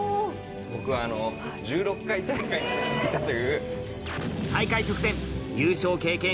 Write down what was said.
僕は１６回大会に出たという。